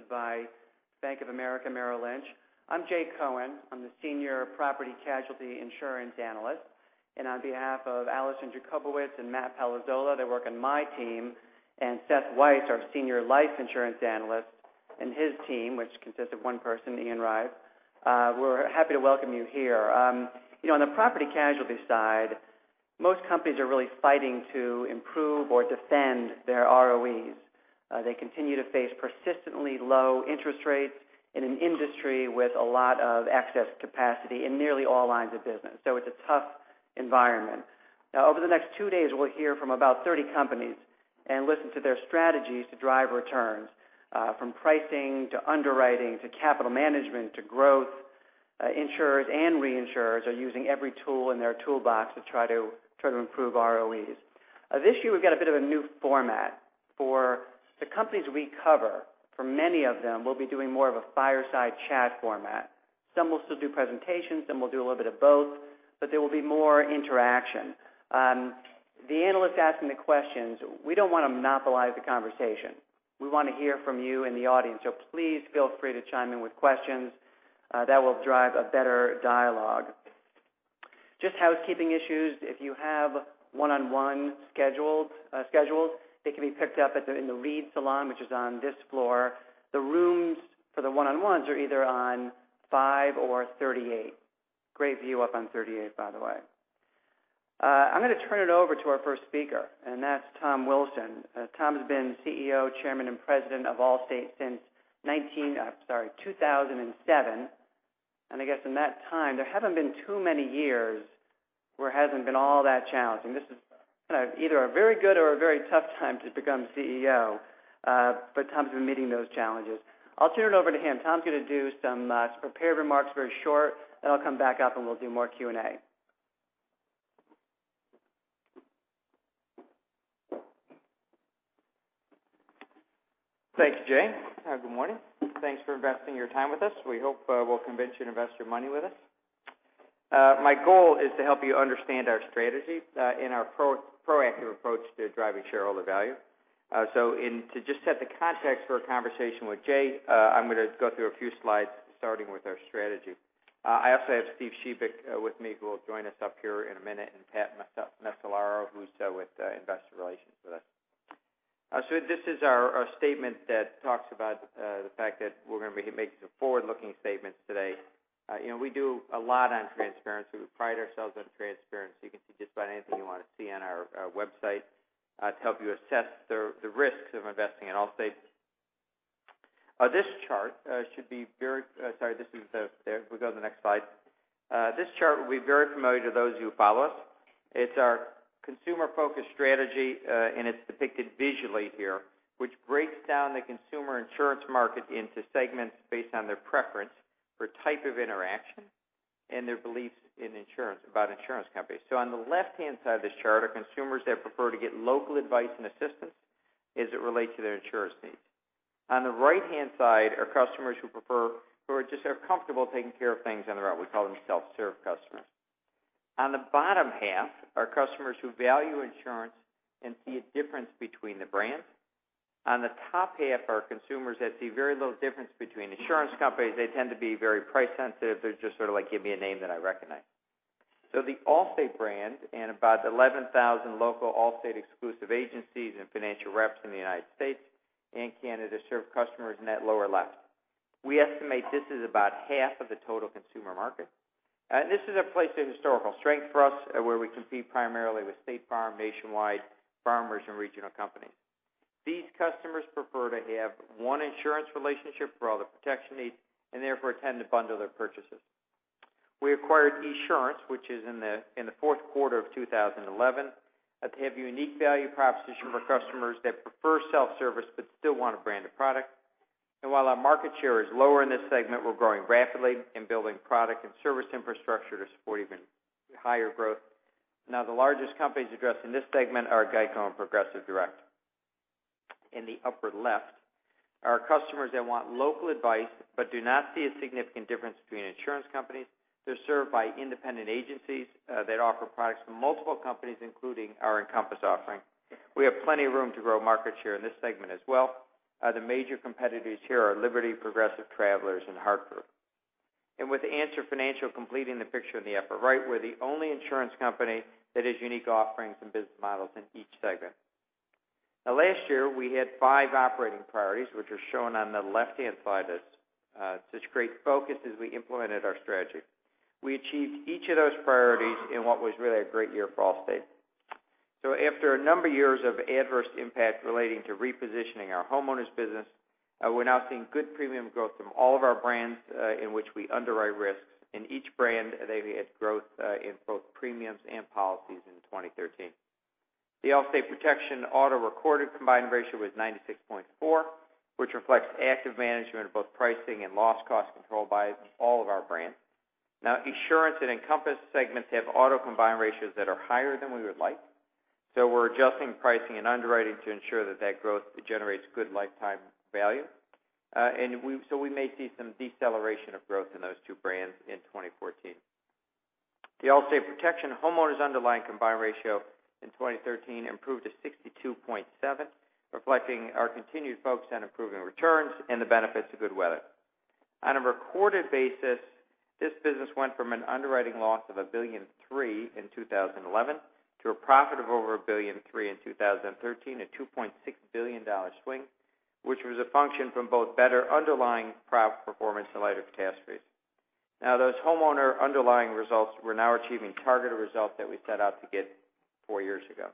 Hosted by Bank of America Merrill Lynch. I'm Jay Cohen. I'm the Senior Property Casualty Insurance Analyst. On behalf of Allison Jakubowicz and Matt Palazzola, they work on my team, and Seth Weiss, our Senior Life Insurance Analyst, and his team, which consists of one person, Ian Reid, we're happy to welcome you here. On the property casualty side, most companies are really fighting to improve or defend their ROEs. They continue to face persistently low interest rates in an industry with a lot of excess capacity in nearly all lines of business. It's a tough environment. Over the next two days, we'll hear from about 30 companies and listen to their strategies to drive returns from pricing to underwriting, to capital management to growth. Insurers and reinsurers are using every tool in their toolbox to try to improve ROEs. This year, we've got a bit of a new format for the companies we cover. For many of them, we'll be doing more of a fireside chat format. Some will still do presentations, some will do a little bit of both, but there will be more interaction. The analyst asking the questions, we don't want to monopolize the conversation. We want to hear from you in the audience. Please feel free to chime in with questions that will drive a better dialogue. Just housekeeping issues, if you have one-on-one scheduled, they can be picked up in the Reid Salon, which is on this floor. The rooms for the one-on-ones are either on five or 38. Great view up on 38, by the way. I'm going to turn it over to our first speaker, and that's Tom Wilson. Tom has been CEO, Chairman, and President of Allstate since 2007. I guess in that time, there haven't been too many years where it hasn't been all that challenging. This is either a very good or a very tough time to become CEO. Tom's been meeting those challenges. I'll turn it over to him. Tom's going to do some prepared remarks, very short, then I'll come back up and we'll do more Q&A. Thanks, Jay. Good morning. Thanks for investing your time with us. We hope we'll convince you to invest your money with us. My goal is to help you understand our strategy in our proactive approach to driving shareholder value. To just set the context for a conversation with Jay, I'm going to go through a few slides starting with our strategy. I also have Steve Shebik with me who will join us up here in a minute, and Pat Macellaro, who's with investor relations with us. This is our statement that talks about the fact that we're going to be making some forward-looking statements today. We do a lot on transparency. We pride ourselves on transparency. You can see just about anything you want to see on our website to help you assess the risks of investing in Allstate. We'll go to the next slide. This chart will be very familiar to those who follow us. It's our consumer-focused strategy, and it's depicted visually here, which breaks down the consumer insurance market into segments based on their preference for type of interaction and their beliefs about insurance companies. On the left-hand side of this chart are consumers that prefer to get local advice and assistance as it relates to their insurance needs. On the right-hand side are customers who are just comfortable taking care of things on their own. We call them self-serve customers. On the bottom half are customers who value insurance and see a difference between the brands. On the top half are consumers that see very little difference between insurance companies. They tend to be very price sensitive. They're just sort of like, "Give me a name that I recognize." The Allstate brand and about 11,000 local Allstate exclusive agencies and financial reps in the U.S. and Canada serve customers in that lower left. We estimate this is about half of the total consumer market. This is a place of historical strength for us, where we compete primarily with State Farm, Nationwide, Farmers, and regional companies. These customers prefer to have one insurance relationship for all their protection needs, and therefore tend to bundle their purchases. We acquired Esurance, which is in the fourth quarter of 2011, to have a unique value proposition for customers that prefer self-service but still want a brand of product. While our market share is lower in this segment, we're growing rapidly in building product and service infrastructure to support even higher growth. The largest companies addressed in this segment are GEICO and Progressive Direct. In the upper left are customers that want local advice but do not see a significant difference between insurance companies. They're served by independent agencies that offer products from multiple companies, including our Encompass offering. We have plenty of room to grow market share in this segment as well. The major competitors here are Liberty Mutual Insurance, Progressive, Travelers, and The Hartford. With Answer Financial completing the picture in the upper right, we're the only insurance company that has unique offerings and business models in each segment. Last year, we had five operating priorities, which are shown on the left-hand side of this, to create focus as we implemented our strategy. We achieved each of those priorities in what was really a great year for Allstate. After a number of years of adverse impact relating to repositioning our homeowners business, we're now seeing good premium growth from all of our brands in which we underwrite risks. In each brand, they had growth in both premiums and policies in 2013. The Allstate Protection Auto recorded combined ratio was 96.4%, which reflects active management of both pricing and loss cost control by all of our brands. Esurance and Encompass segments have auto combined ratios that are higher than we would like. We're adjusting pricing and underwriting to ensure that that growth generates good lifetime value. We may see some deceleration of growth in those two brands in 2014. The Allstate Protection Homeowners underlying combined ratio in 2013 improved to 62.7%, reflecting our continued focus on improving returns and the benefits of good weather. On a recorded basis, this business went from an underwriting loss of $1.3 billion in 2011 to a profit of over $1.3 billion in 2013, a $2.6 billion swing, which was a function from both better underlying performance in light of catastrophes. Those homeowner underlying results, we are now achieving targeted results that we set out to get four years ago.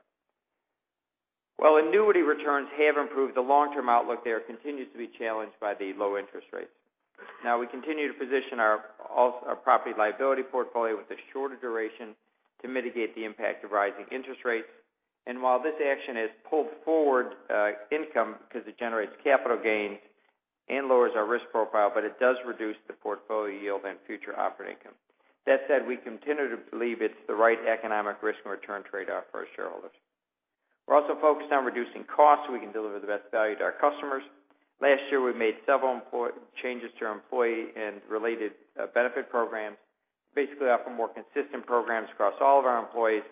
While annuity returns have improved, the long-term outlook there continues to be challenged by the low interest rates. We continue to position our property liability portfolio with a shorter duration to mitigate the impact of rising interest rates. While this action has pulled forward income because it generates capital gains and lowers our risk profile, but it does reduce the portfolio yield and future operating income. That said, we continue to believe it is the right economic risk-and-return trade-off for our shareholders. We are also focused on reducing costs so we can deliver the best value to our customers. Last year, we made several important changes to our employee and related benefit programs. Basically, offer more consistent programs across all of our employees,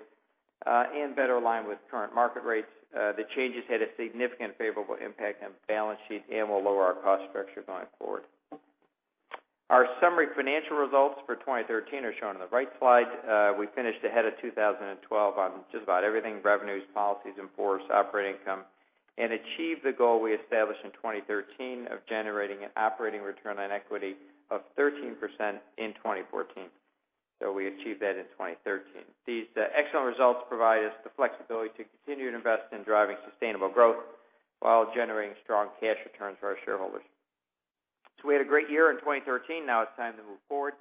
and better aligned with current market rates. The changes had a significant favorable impact on balance sheet, and will lower our cost structure going forward. Our summary financial results for 2013 are shown on the right slide. We finished ahead of 2012 on just about everything, revenues, policies in force, operating income, and achieved the goal we established in 2013 of generating an operating return on equity of 13% in 2014. We achieved that in 2013. These excellent results provide us the flexibility to continue to invest in driving sustainable growth while generating strong cash returns for our shareholders. We had a great year in 2013. It is time to move forward.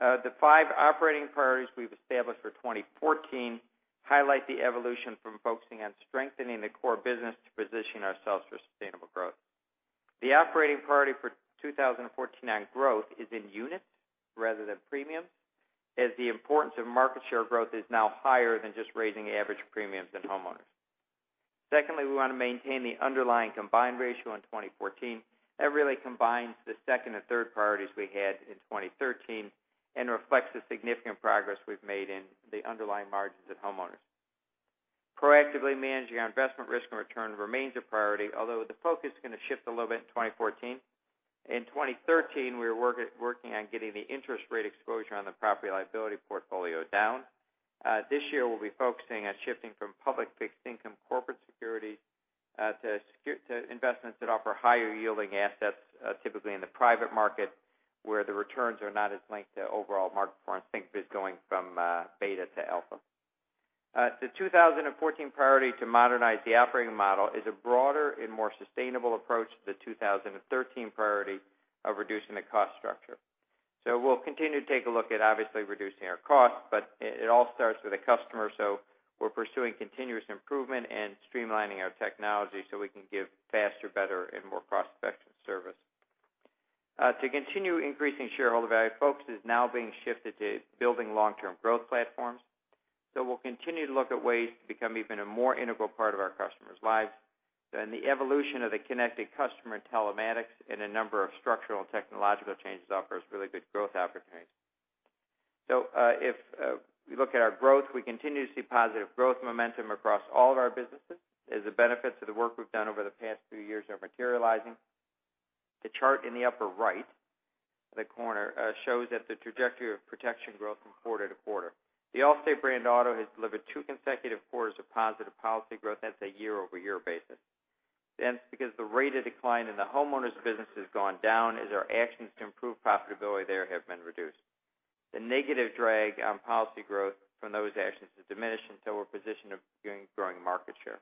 The five operating priorities we have established for 2014 highlight the evolution from focusing on strengthening the core business to position ourselves for sustainable growth. The operating priority for 2014 on growth is in units rather than premiums, as the importance of market share growth is now higher than just raising average premiums in homeowners. Secondly, we want to maintain the underlying combined ratio in 2014. That really combines the second and third priorities we had in 2013 and reflects the significant progress we have made in the underlying margins of homeowners. Proactively managing our investment risk and return remains a priority, although the focus is going to shift a little bit in 2014. In 2013, we were working on getting the interest rate exposure on the property liability portfolio down. This year, we will be focusing on shifting from public fixed income corporate securities to investments that offer higher yielding assets, typically in the private market, where the returns are not as linked to overall market performance. Think of it going from beta to alpha. The 2014 priority to modernize the operating model is a broader and more sustainable approach to the 2013 priority of reducing the cost structure. We will continue to take a look at obviously reducing our costs, but it all starts with the customer, so we are pursuing continuous improvement and streamlining our technology so we can give faster, better, and more cross-section service. To continue increasing shareholder value, focus is now being shifted to building long-term growth platforms. We will continue to look at ways to become even a more integral part of our customers' lives. The evolution of the Connected Customer telematics and a number of structural and technological changes offers really good growth opportunities. If we look at our growth, we continue to see positive growth momentum across all of our businesses as the benefits of the work we've done over the past few years are materializing. The chart in the upper right corner shows that the trajectory of protection growth from quarter to quarter. The Allstate Brand auto has delivered two consecutive quarters of positive policy growth. That's a year-over-year basis. Because the rate of decline in the homeowners business has gone down as our actions to improve profitability there have been reduced. The negative drag on policy growth from those actions has diminished until we're positioned of growing market share.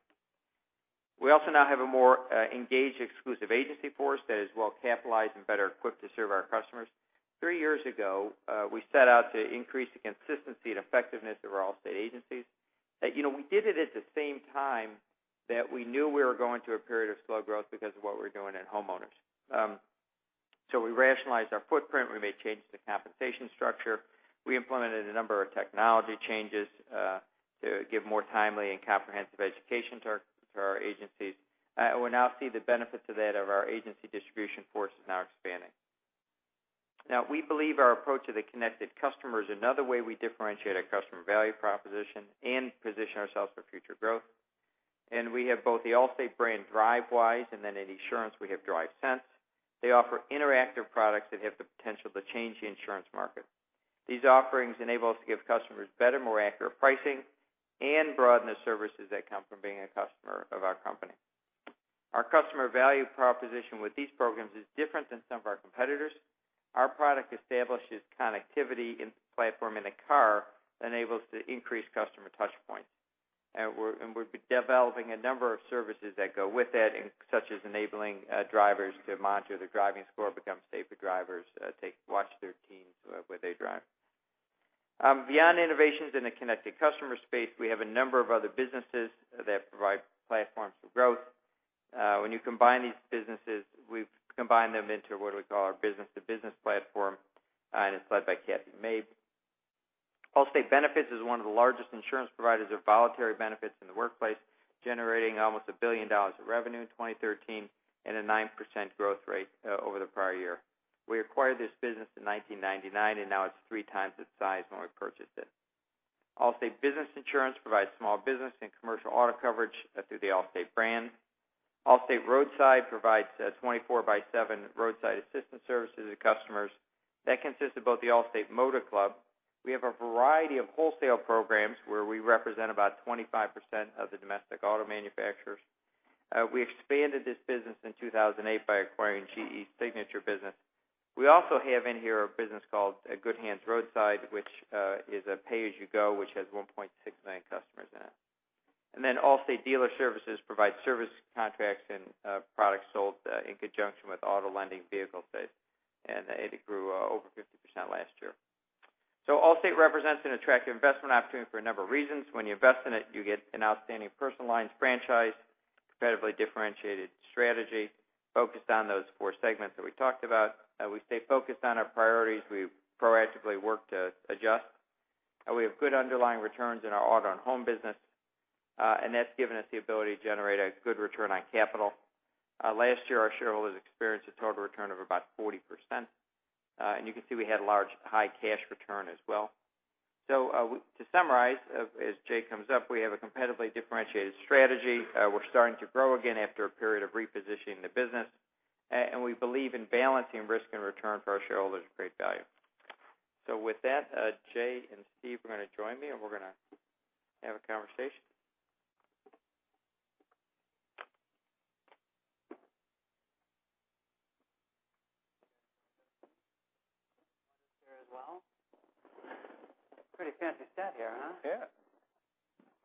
We also now have a more engaged exclusive agency force that is well-capitalized and better equipped to serve our customers. Three years ago, we set out to increase the consistency and effectiveness of our Allstate agencies. We did it at the same time that we knew we were going through a period of slow growth because of what we were doing in homeowners. We rationalized our footprint. We made changes to compensation structure. We implemented a number of technology changes to give more timely and comprehensive education to our agencies. We're now seeing the benefits of our agency distribution force is now expanding. We believe our approach to the Connected Customer is another way we differentiate our customer value proposition and position ourselves for future growth. We have both the Allstate Brand Drivewise and in Esurance, we have DriveSense. They offer interactive products that have the potential to change the insurance market. These offerings enable us to give customers better, more accurate pricing and broaden the services that come from being a customer of our company. Our customer value proposition with these programs is different than some of our competitors. Our product establishes connectivity in the platform in the car that enables to increase customer touch points. We're developing a number of services that go with it, such as enabling drivers to monitor their driving score, become safer drivers, watch their teens, where they drive. Beyond innovations in the Connected Customer space, we have a number of other businesses that provide platforms for growth. When you combine these businesses, we've combined them into what we call our business-to-business platform, and it's led by Kathy Mabe. Allstate Benefits is one of the largest insurance providers of voluntary benefits in the workplace, generating almost $1 billion of revenue in 2013 and a 9% growth rate over the prior year. We acquired this business in 1999, and now it's three times its size when we purchased it. Allstate Business Insurance provides small business and commercial auto coverage through the Allstate Brand. Allstate Roadside provides 24/7 roadside assistance services to customers. That consists of both the Allstate Motor Club. We have a variety of wholesale programs where we represent about 25% of the domestic auto manufacturers. We expanded this business in 2008 by acquiring GE's Signature business. We also have in here a business called Good Hands Roadside, which is a pay-as-you-go, which has 1.6 million customers in it. Allstate Dealer Services provides service contracts and products sold in conjunction with auto lending vehicle sales, and it grew over 50% last year. Allstate represents an attractive investment opportunity for a number of reasons. When you invest in it, you get an outstanding personal lines franchise, competitively differentiated strategy focused on those four segments that we talked about. We stay focused on our priorities. We proactively work to adjust, and we have good underlying returns in our auto and home business. That's given us the ability to generate a good return on capital. Last year, our shareholders experienced a total return of about 40%, and you can see we had a large high cash return as well. To summarize, as Jay comes up, we have a competitively differentiated strategy. We're starting to grow again after a period of repositioning the business, and we believe in balancing risk and return for our shareholders at great value. With that, Jay and Steve are going to join me, and we're going to have a conversation. Here as well. Pretty fancy set here, huh?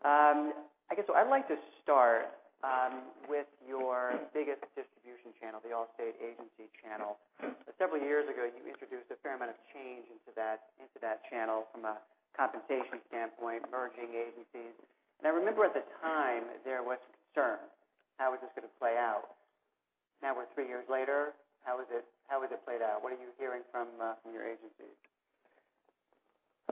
Yeah. I guess what I'd like to start with is your biggest distribution channel, the Allstate agency channel. Several years ago, you introduced a fair amount of change into that channel from a compensation standpoint, merging agencies. I remember at the time, there was concern how is this going to play out. Now we're three years later, how has it played out? What are you hearing from your agencies?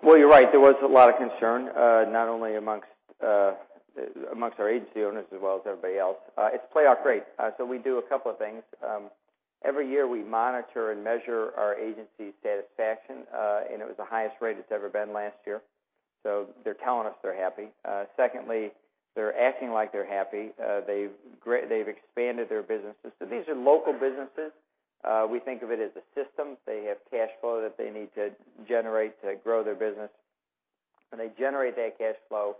Well, you're right. There was a lot of concern, not only amongst our agency owners as well as everybody else. It's played out great. We do a couple of things. Every year, we monitor and measure our agency satisfaction, and it was the highest rate it's ever been last year. They're telling us they're happy. Secondly, they're acting like they're happy. They've expanded their businesses. These are local businesses. We think of it as a system. They have cash flow that they need to generate to grow their business. When they generate that cash flow,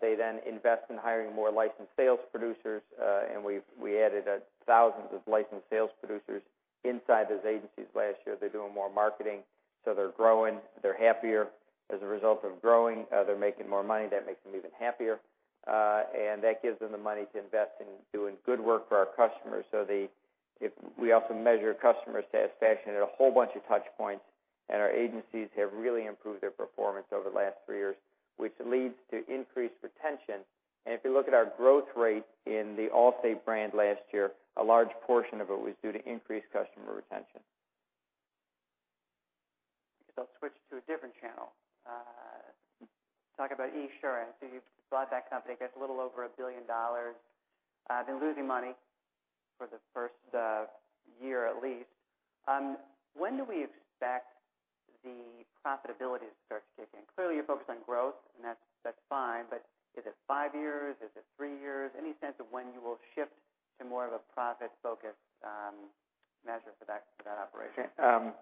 they then invest in hiring more licensed sales producers, and we added thousands of licensed sales producers inside those agencies last year. They're doing more marketing, so they're growing, they're happier as a result of growing. They're making more money. That makes them even happier. That gives them the money to invest in doing good work for our customers. We also measure customer satisfaction at a whole bunch of touch points, and our agencies have really improved their performance over the last three years, which leads to increased retention. If you look at our growth rate in the Allstate brand last year, a large portion of it was due to increased customer retention. I guess I'll switch to a different channel. Talk about Esurance. You've bought that company, I guess, a little over $1 billion. Been losing money for the first year at least. When do we expect the profitability to start to kick in? Clearly, you're focused on growth, and that's fine, but is it five years? Is it three years? Any sense of when you will shift to more of a profit-focused measure for that operation?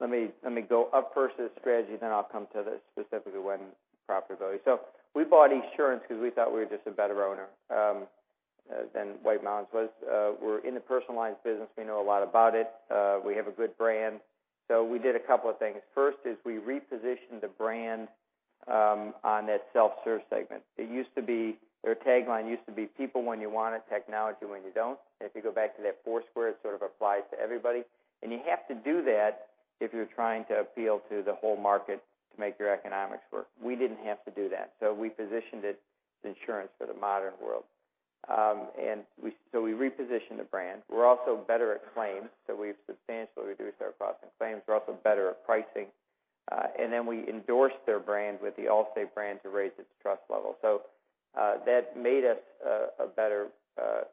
Let me go up first to the strategy, then I'll come to the specifically when profitability. We bought Esurance because we thought we were just a better owner than White Mountains was. We're in the personal lines business. We know a lot about it. We have a good brand. We did a couple of things. First is we repositioned the brand on that self-serve segment. Their tagline used to be, "People when you want it, technology when you don't." If you go back to that four square, it sort of applies to everybody. You have to do that if you're trying to appeal to the whole market to make your economics work. We didn't have to do that. We positioned it insurance for the modern world. We repositioned the brand. We're also better at claims, so we've substantially reduced our cost in claims. We're also better at pricing. We endorsed their brand with the Allstate brand to raise its trust level. That made us a better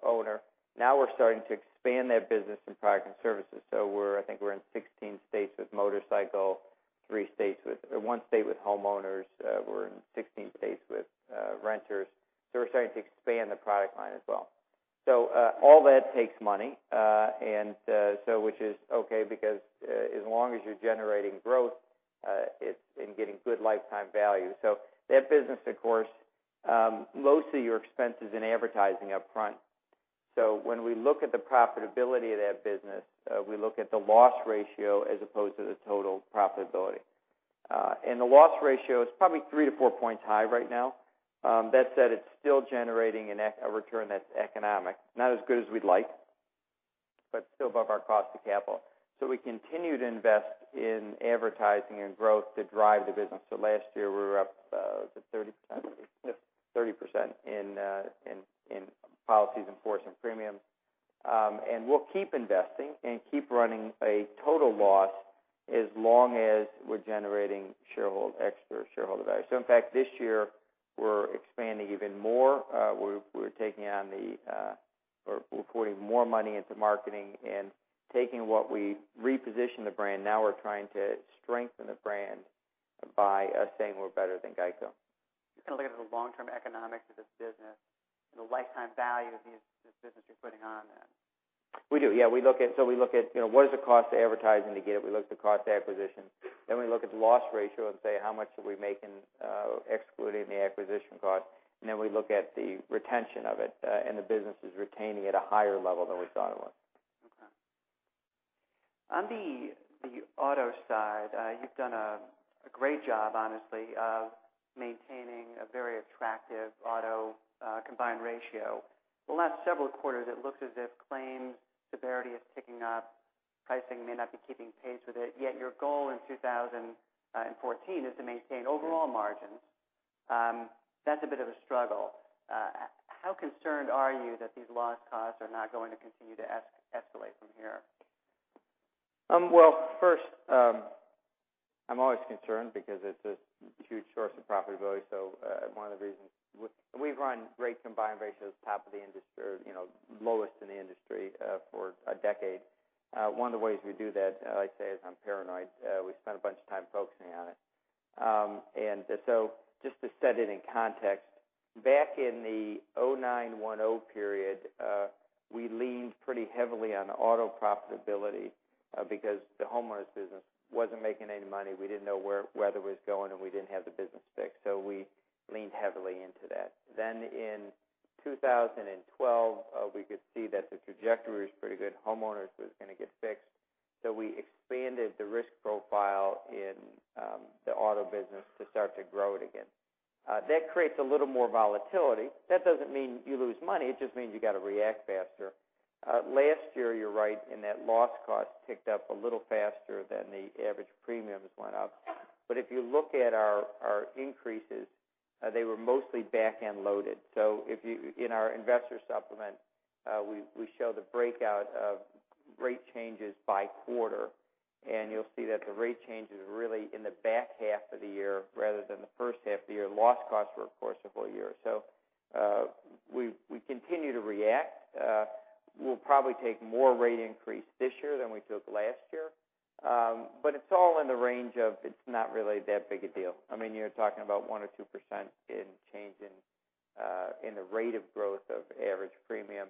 owner. Now we're starting to expand that business in product and services. I think we're in 16 states with motorcycle, one state with homeowners. We're in 16 states with renters. We're starting to expand the product line as well. All that takes money, which is okay, because as long as you're generating growth and getting good lifetime value. That business, of course, most of your expense is in advertising up front. When we look at the profitability of that business, we look at the loss ratio as opposed to the total profitability. The loss ratio is probably three to four points high right now. That said, it's still generating a return that's economic. Not as good as we'd like, but still above our cost of capital. We continue to invest in advertising and growth to drive the business. Last year, we were up, was it 30%? Yep, 30% in policies, in force, and premiums. We'll keep investing and keep running a total loss as long as we're generating extra shareholder value. In fact, this year, we're expanding even more. We're pouring more money into marketing and repositioning the brand. We're trying to strengthen the brand by us saying we're better than GEICO. You've got to look at the long-term economics of this business and the lifetime value of this business you're putting on then. We do, yeah. We look at what is the cost of advertising to get it. We look at the cost to acquisition. We look at the loss ratio and say how much are we making, excluding the acquisition cost. We look at the retention of it, and the business is retaining at a higher level than we thought it was. Okay. On the auto side, you've done a great job, honestly, of maintaining a very attractive auto combined ratio. The last several quarters, it looks as if claims severity is ticking up. Pricing may not be keeping pace with it. Yet your goal in 2014 is to maintain overall margins. That's a bit of a struggle. How concerned are you that these loss costs are not going to continue to escalate from here? Well, first, I'm always concerned because it's a huge source of profitability. One of the reasons, we've run rate combined ratios lowest in the industry for a decade. One of the ways we do that, I say, is I'm paranoid. We spend a bunch of time focusing on it. Just to set it in context, back in the 2009, 2010 period, we leaned pretty heavily on auto profitability because the homeowners business wasn't making any money. We didn't know where weather was going, and we didn't have the business fixed, so we leaned heavily into that. In 2012, we could see that the trajectory was pretty good. Homeowners was going to get fixed. We expanded the risk profile in the auto business to start to grow it again. That creates a little more volatility. That doesn't mean you lose money. It just means you got to react faster. Last year, you're right, in that loss costs ticked up a little faster than the average premiums went up. If you look at our increases, they were mostly back-end loaded. In our investor supplement, we show the breakout of rate changes by quarter, and you'll see that the rate changes really in the back half of the year rather than the first half of the year. Loss costs were, of course, the whole year. We continue to react. We'll probably take more rate increase this year than we took last year. It's all in the range of, it's not really that big a deal. You're talking about 1% or 2% in change in the rate of growth of average premium,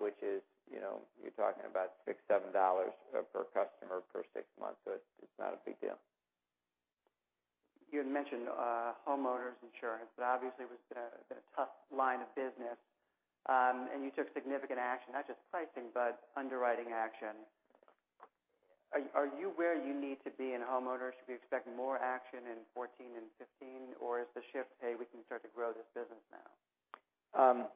which is, you're talking about $6, $7 per customer per six months. It's not a big deal. You had mentioned homeowners insurance, obviously it was a tough line of business. You took significant action, not just pricing, but underwriting action. Are you where you need to be in homeowners? Should we expect more action in 2014 and 2015, or is the shift, hey, we can start to grow this business now?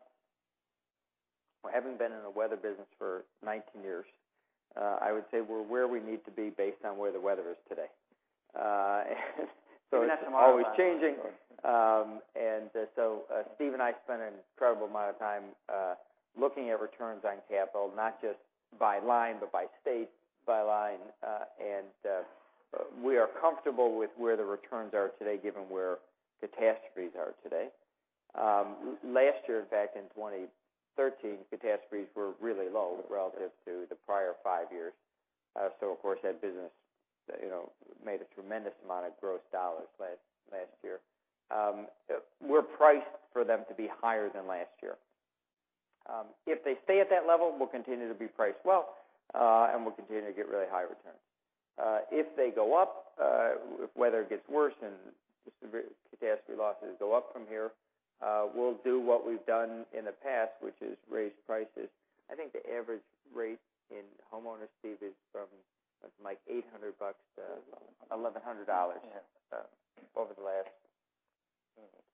Well, having been in the weather business for 19 years, I would say we're where we need to be based on where the weather is today. You're not The Weather Channel. It's always changing. Steve and I spent an incredible amount of time looking at returns on capital, not just by line, but by state, by line, and we are comfortable with where the returns are today, given where catastrophes are today. Last year, in fact, in 2013, catastrophes were really low relative to the prior 5 years. Of course, that business made a tremendous amount of gross dollars last year. We're priced for them to be higher than last year. If they stay at that level, we'll continue to be priced well, and we'll continue to get really high returns. If they go up, weather gets worse, and catastrophe losses go up from here, we'll do what we've done in the past, which is raise prices. I think the average rate in homeowners, Steve, is from like $800-$1,100. Yeah. Over the last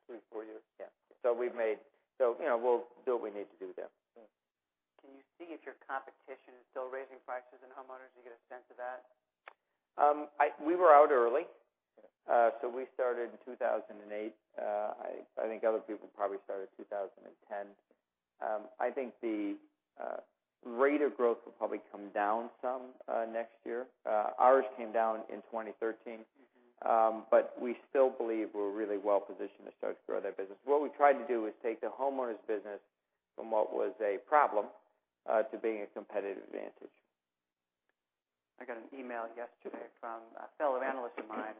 3, 4 years. Yeah. We'll do what we need to do there. Can you see if your competition is still raising prices in homeowners? You get a sense of that? We were out early. Yeah. We started in 2008. I think other people probably started 2010. I think the rate of growth will probably come down some next year. Ours came down in 2013. We still believe we're really well-positioned to start to grow that business. What we tried to do is take the homeowners business from what was a problem to being a competitive advantage. I got an email yesterday from a fellow analyst of mine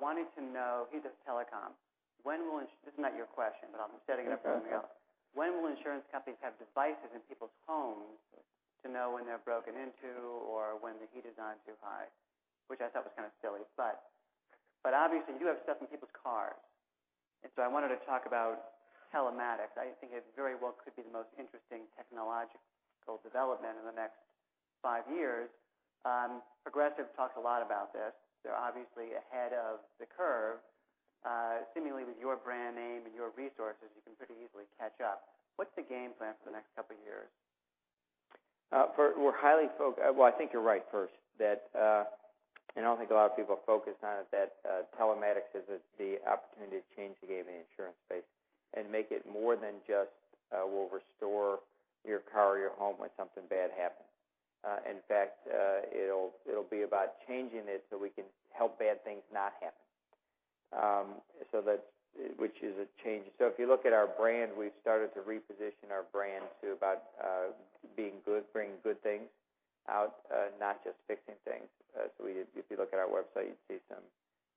wanting to know, he does telecom, this is not your question, but I'm setting it up for something else. Okay. When will Insurance companies have devices in people's homes to know when they're broken into or when the heat is on too high? Which I thought was kind of silly, but obviously you have stuff in people's cars, and so I wanted to talk about telematics. I think it very well could be the most interesting technological development in the next five years. Progressive talks a lot about this. They're obviously ahead of the curve. Similarly, with your brand name and your resources, you can pretty easily catch up. What's the game plan for the next couple of years? Well, I think you're right, first, that I don't think a lot of people focus on it, that telematics is the opportunity to change the game in the insurance space and make it more than just, we'll restore your car or your home when something bad happens. In fact, it'll be about changing it so we can help bad things not happen. Which is a change. If you look at our brand, we've started to reposition our brand to about being good, bringing good things out, not just fixing things. If you look at our website,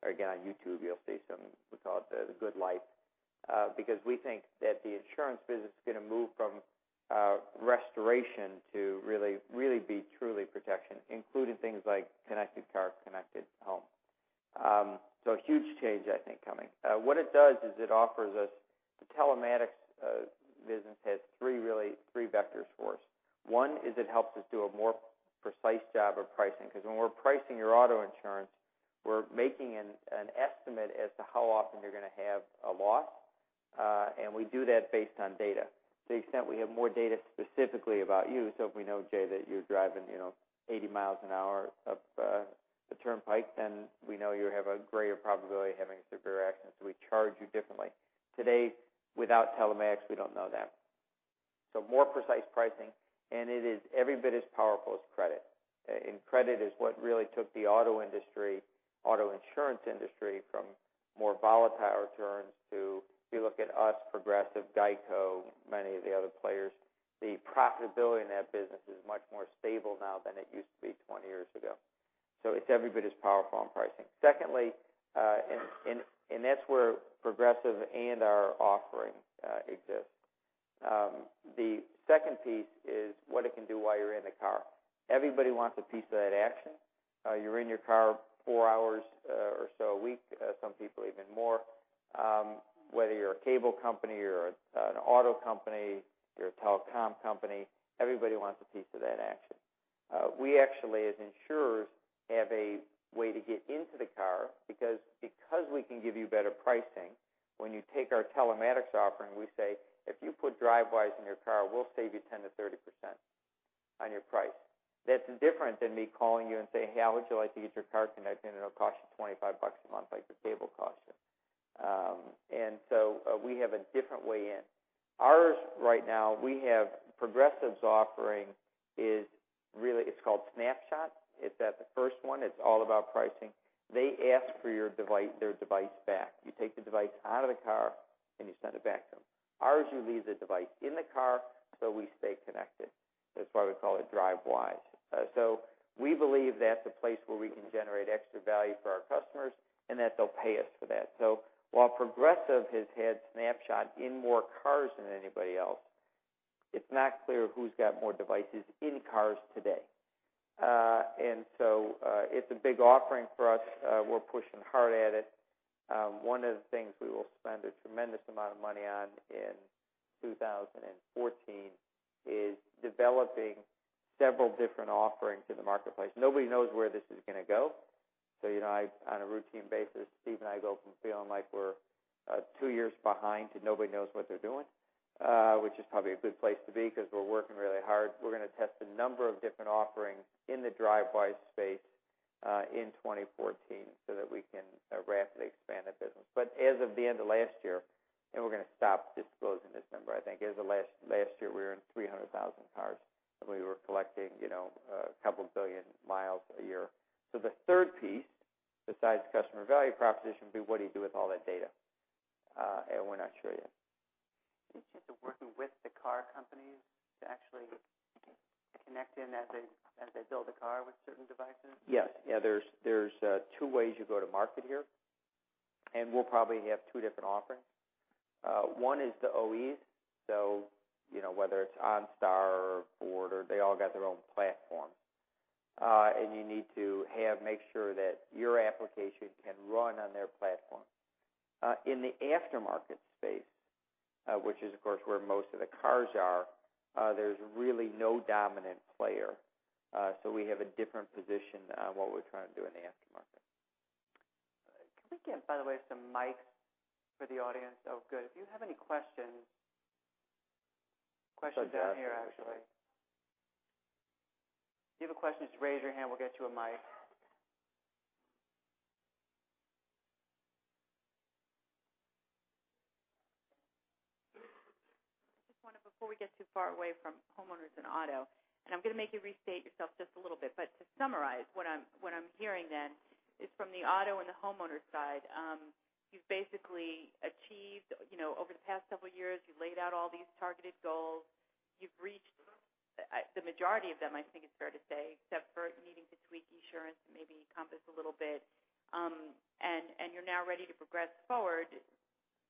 or again, on YouTube, you'll see some, we call it the good life. We think that the insurance business is going to move from restoration to really be truly protection, including things like connected car, connected home. A huge change, I think, coming. What it does is the telematics business has really three vectors for us. One is it helps us do a more precise job of pricing, because when we're pricing your auto insurance, we're making an estimate as to how often you're going to have a loss. We do that based on data. To the extent we have more data specifically about you, so if we know, Jay, that you're driving 80 miles an hour up the turnpike, then we know you have a greater probability of having a severe accident, so we charge you differently. Today, without telematics, we don't know that. More precise pricing, and it is every bit as powerful as credit. Credit is what really took the auto insurance industry from more volatile returns to, if you look at us, Progressive, GEICO, many of the other players, the profitability in that business is much more stable now than it used to be 20 years ago. It's every bit as powerful on pricing. Secondly, that's where Progressive and our offering exists. The second piece is what it can do while you're in the car. Everybody wants a piece of that action. You're in your car four hours or so a week, some people even more. Whether you're a cable company or an auto company, you're a telecom company, everybody wants a piece of that action. We actually, as insurers, have a way to get into the car because we can give you better pricing. When you take our telematics offering, we say, "If you put Drivewise in your car, we'll save you 10%-30% on your price." That's different than me calling you and saying, "Hey, how would you like to get your car connected? It'll cost you $25 a month, like your cable costs you." We have a different way in. Ours right now, Progressive's offering is called Snapshot. It's the first one. It's all about pricing. They ask for their device back. You take the device out of the car, and you send it back to them. Ours, you leave the device in the car, so we stay connected. That's why we call it Drivewise. We believe that's a place where we can generate extra value for our customers and that they'll pay us for that. While Progressive has had Snapshot in more cars than anybody else, it's not clear who's got more devices in cars today. It's a big offering for us. We're pushing hard at it. One of the things we will spend a tremendous amount of money on in 2014 is developing several different offerings in the marketplace. Nobody knows where this is going to go. On a routine basis, Steve and I go from feeling like we're two years behind to nobody knows what they're doing, which is probably a good place to be because we're working really hard. We're going to test a number of different offerings in the Drivewise space in 2014 so that we can rapidly expand that business. As of the end of last year, and we're going to stop disclosing this number, I think as of last year, we were in 300,000 cars, and we were collecting a couple of billion miles a year. The third piece, besides customer value proposition, would be what do you do with all that data? We're not sure yet. Any chance of working with the car companies to actually connect in as they build a car with certain devices? Yes. There's two ways you go to market here, and we'll probably have two different offerings. One is the OEMs. Whether it's OnStar or Ford, they all got their own platform. You need to make sure that your application can run on their platform. In the aftermarket space, which is, of course, where most of the cars are, there's really no dominant player. We have a different position on what we're trying to do in the aftermarket. Can we get, by the way, some mics for the audience? Oh, good. If you have any questions. Questions down here, actually. If you have a question, just raise your hand, we'll get you a mic. I just wonder, before we get too far away from homeowners and auto, and I'm going to make you restate yourself just a little bit, but to summarize what I'm hearing then is from the auto and the homeowners side, you've basically achieved, over the past several years, you laid out all these targeted goals. You've reached the majority of them, I think it's fair to say, except for needing to tweak Esurance, maybe Encompass a little bit. You're now ready to progress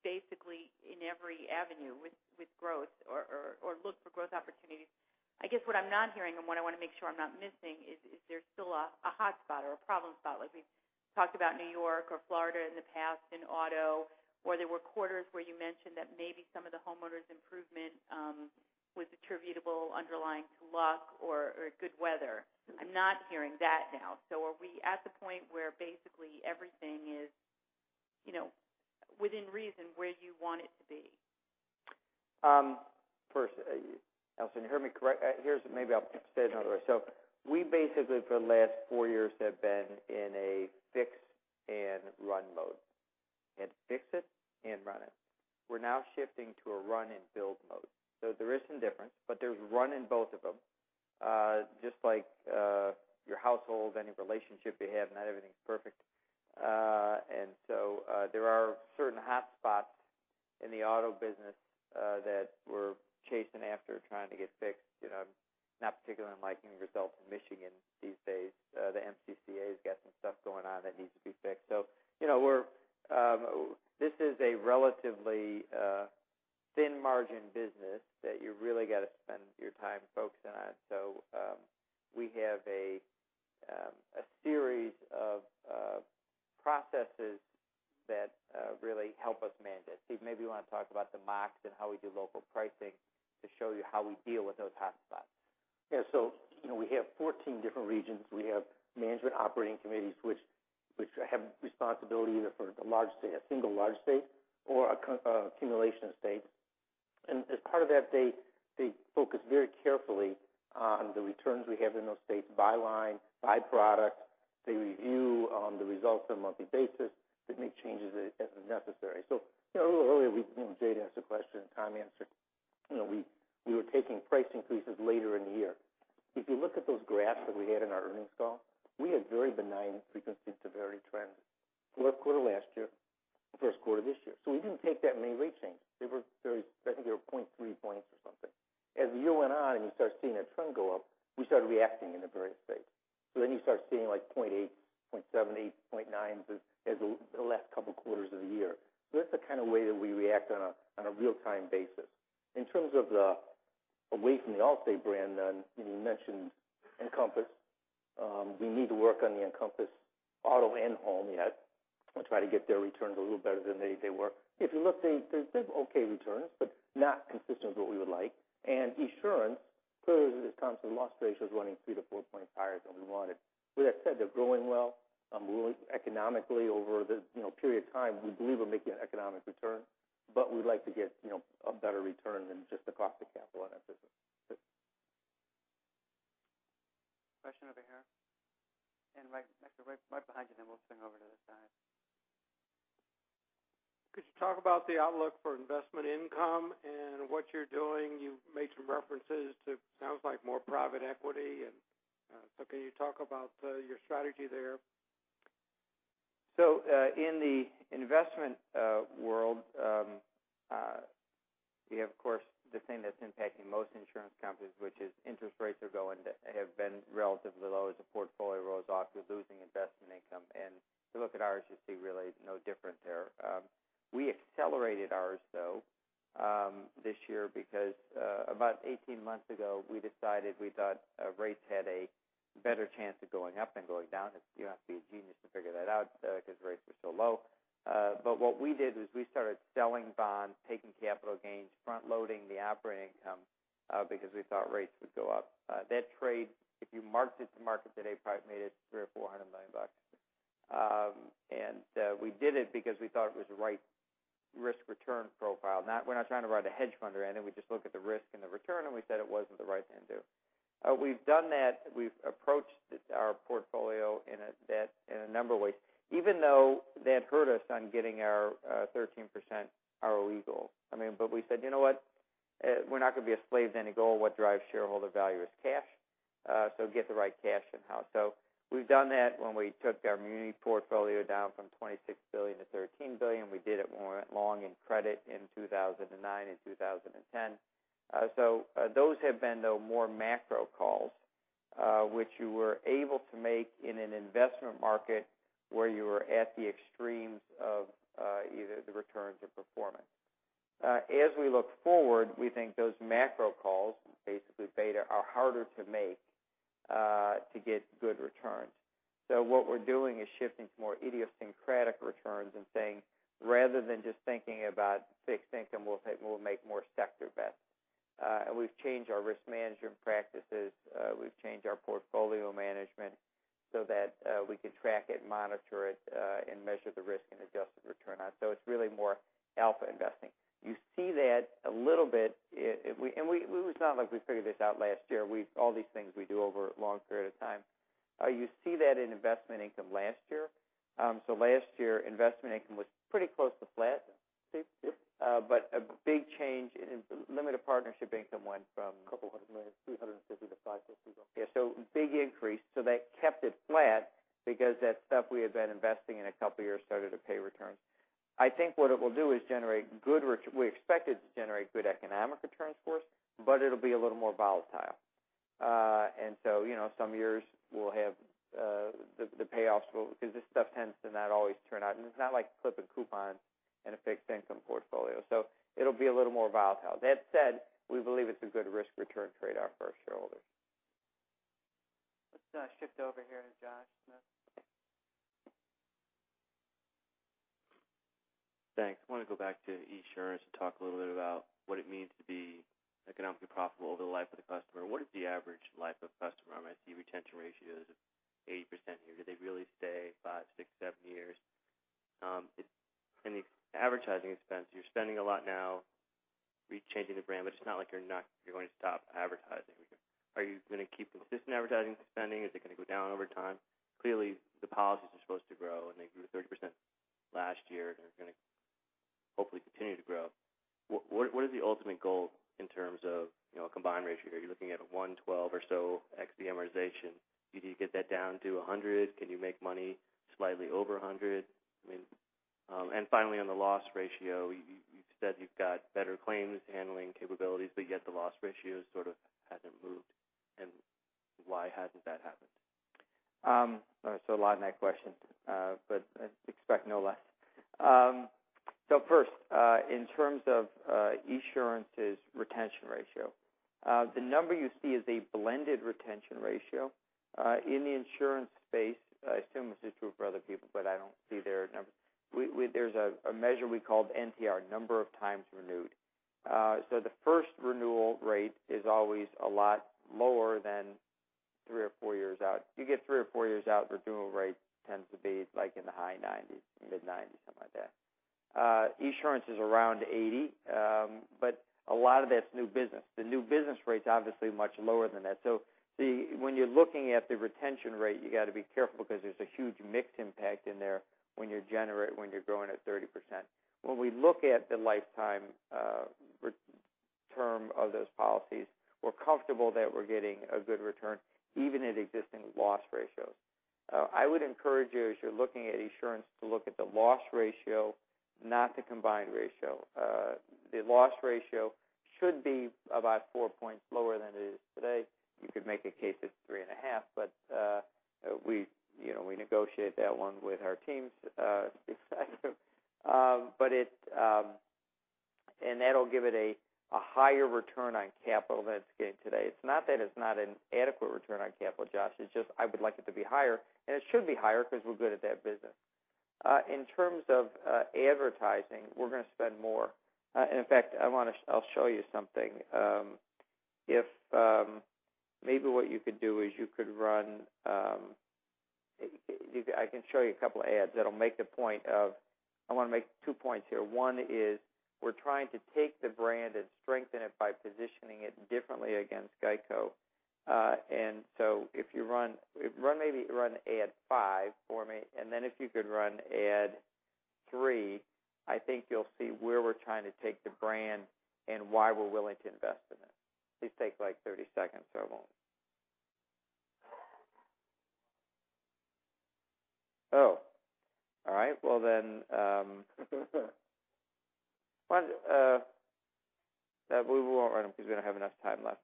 forward, basically in every avenue with growth or look for growth opportunities. I guess what I'm not hearing, and what I want to make sure I'm not missing, is there still a hotspot or a problem spot? Like we've talked about New York or Florida in the past in auto, or there were quarters where you mentioned that maybe some of the homeowners improvement was attributable underlying to luck or good weather. I'm not hearing that now. Are we at the point where basically everything is within reason where you want it to be? First, Alison, you heard me correct. Maybe I'll say it another way. We basically for the last four years have been in a fix and run mode. Had to fix it and run it. We're now shifting to a run and build mode. There is some difference, but there's run in both of them. Just like your household, any relationship you have, not everything's perfect. There are certain hotspots in the auto business that we're chasing after trying to get fixed. I'm not particularly liking the results in Michigan these days. The MCCA's got some stuff going on that needs to be fixed. This is a relatively thin margin business that you really got to spend your time focusing on. We have a series of processes that really help us manage it. Steve, maybe you want to talk about the MOCs and how we do local pricing to show you how we deal with those hotspots. Yeah. We have 14 different regions. We have management operating committees, which have responsibility either for a single large state or an accumulation of states. As part of that, they focus very carefully on the returns we have in those states by line, by product. They review the results on a monthly basis. They make changes as necessary. A little earlier, Jay asked a question, and Tom answered. We were taking price increases later in the year. If you look at those graphs that we had in our earnings call, we had very benign frequency to very trends. Fourth quarter last year, first quarter this year. We didn't take that many rate changes. I think they were 0.3 points or something. As the year went on, and you start seeing that trend go up, we started reacting in a very safe. You start seeing like 0.8, 0.7, 0.8, 0.9 as the last couple quarters of the year. That's the kind of way that we react on a real-time basis. In terms of away from the Allstate brand then, you mentioned Encompass. We need to work on the Encompass auto and home yet, and try to get their returns a little better than they were. If you look, they have okay returns, but not consistent with what we would like. Esurance, clearly, as Tom said, loss ratio is running 3 to 4 points higher than we wanted. With that said, they're growing well. Economically, over the period of time, we believe we're making an economic return, but we'd like to get a better return than just the cost of capital on that business. Question over here. Actually, right behind you, then we'll swing over to this side. Could you talk about the outlook for investment income and what you're doing? You made some references to, sounds like more private equity. Can you talk about your strategy there? In the investment world, we have, of course, the thing that's impacting most insurance companies, which is interest rates have been relatively low as the portfolio rolls off. We're losing investment income. If you look at ours, you see really no different there. We accelerated ours, though, this year because, about 18 months ago, we decided we thought rates had a better chance of going up than going down. You don't have to be a genius to figure that out because rates were so low. What we did was we started selling bonds, taking capital gains, front-loading the operating income because we thought rates would go up. That trade, if you marked it to market today, probably made it $300 million-$400 million. We did it because we thought it was the right risk-return profile. We're not trying to ride a hedge fund or anything. We just look at the risk and the return, and we said it wasn't the right thing to do. We've done that. We've approached our portfolio in a number of ways, even though that hurt us on getting our 13% ROE goal. We said, "You know what? We're not going to be a slave to any goal. What drives shareholder value is cash, get the right cash in house." We've done that when we took our muni portfolio down from $26 billion to $13 billion. We did it when we went long in credit in 2009 and 2010. Those have been, though, more macro calls, which you were able to make in an investment market where you were at the extremes of either the returns or performance. As we look forward, we think those macro calls, basically beta, are harder to make to get good returns. What we're doing is shifting to more idiosyncratic returns and saying, rather than just thinking about fixed income, we'll make more sector bets. We've changed our risk management practices. We've changed our portfolio management so that we can track it, monitor it, and measure the risk and adjusted return on it. It's really more alpha investing. You see that a little bit. It's not like we figured this out last year. All these things we do over a long period of time. You see that in investment income last year. Last year, investment income was pretty close to flat. Yep. A big change in limited partnership income went from- A couple hundred million, $350 to $550. Yeah, big increase. That kept it flat because that stuff we had been investing in a couple of years started to pay returns. I think what it will do is generate good return. We expect it to generate good economic returns for us, but it'll be a little more volatile. Some years, the payoffs will because this stuff tends to not always turn out. It's not like clip a coupon in a fixed income portfolio. It'll be a little more volatile. That said, we believe it's a good risk-return trade-off for our shareholders. Let's shift over here to Joshua Shanker. Thanks. I want to go back to Esurance and talk a little bit about what it means to be economically profitable over the life of the customer. What is the average life of customer? I see retention ratios of 80% here. Do they really stay five, six, seven years? In the advertising expense, you're spending a lot now re-changing the brand, but it's not like you're going to stop advertising. Are you going to keep consistent advertising spending? Is it going to go down over time? Clearly, the policies are supposed to grow, and they grew 30% last year. Hopefully continue to grow. What is the ultimate goal in terms of combined ratio? Are you looking at a 112 or so ex-amortization? Do you need to get that down to 100? Can you make money slightly over 100? Finally, on the loss ratio, you've said you've got better claims handling capabilities, but yet the loss ratio sort of hasn't moved. Why hasn't that happened? A lot in that question, but I expect no less. First, in terms of Esurance's retention ratio, the number you see is a blended retention ratio. In the Esurance space, I assume this is true for other people, but I don't see their numbers. There's a measure we call the NTR, number of times renewed. The first renewal rate is always a lot lower than three or four years out. You get three or four years out, the renewal rate tends to be in the high 90s, mid-90s, something like that. Esurance is around 80, but a lot of that's new business. The new business rate's obviously much lower than that. When you're looking at the retention rate, you got to be careful because there's a huge mix impact in there when you're growing at 30%. When we look at the lifetime term of those policies, we're comfortable that we're getting a good return, even at existing loss ratios. I would encourage you, as you're looking at Esurance, to look at the loss ratio, not the combined ratio. The loss ratio should be about four points lower than it is today. You could make a case it's three and a half, but we negotiate that one with our teams. That'll give it a higher return on capital than it's getting today. It's not that it's not an adequate return on capital, Josh. It's just I would like it to be higher, and it should be higher because we're good at that business. In terms of advertising, we're going to spend more. In fact, I'll show you something. Maybe what you could do is you could run. I can show you a couple ads that'll make the point of. I want to make two points here. One is we're trying to take the brand and strengthen it by positioning it differently against GEICO. Maybe run ad five for me, and then if you could run ad three, I think you'll see where we're trying to take the brand and why we're willing to invest in it. These take, like, 30 seconds. I won't. All right. Then we won't run them because we don't have enough time left.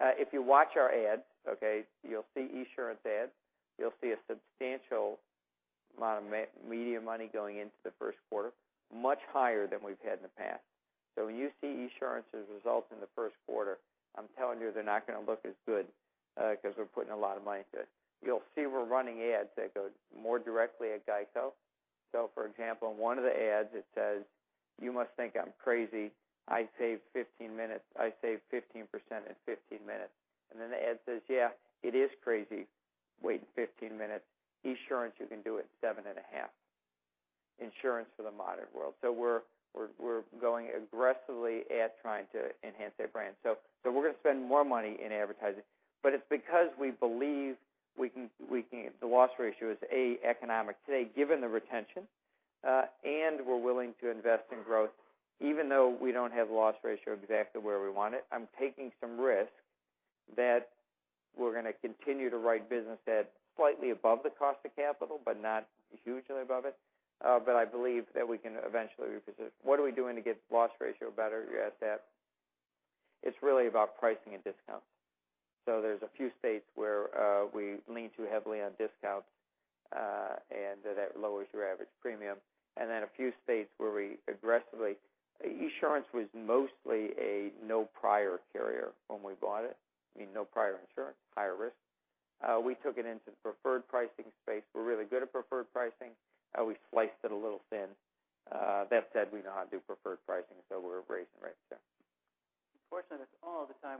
If you watch our ads, okay, you'll see Esurance ads. You'll see a substantial amount of media money going into the first quarter, much higher than we've had in the past. When you see Esurance's results in the first quarter, I'm telling you, they're not going to look as good because we're putting a lot of money into it. You'll see we're running ads that go more directly at GEICO. For example, in one of the ads, it says, "You must think I'm crazy. I save 15% in 15 minutes." Then the ad says, "Yeah, it is crazy waiting 15 minutes. Esurance, you can do it seven and a half. Insurance for the modern world." We're going aggressively at trying to enhance that brand. We're going to spend more money in advertising. It's because we believe the loss ratio is A, economic today, given the retention, and we're willing to invest in growth, even though we don't have loss ratio exactly where we want it. I'm taking some risk that we're going to continue to write business at slightly above the cost of capital, but not hugely above it. I believe that we can eventually reposition. What are we doing to get loss ratio better? You asked that. It's really about pricing and discount. There's a few states where we lean too heavily on discount, and that lowers your average premium. Then a few states where we aggressively. Esurance was mostly a no prior carrier when we bought it. Meaning no prior Esurance, higher risk. We took it into the preferred pricing space. We're really good at preferred pricing. We sliced it a little thin. That said, we know how to do preferred pricing. We're raising rates there. The portion that's on all the time.